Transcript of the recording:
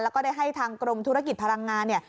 แล้วก็ได้ให้ทางกรมธุรกิจพลังงานเนี่ย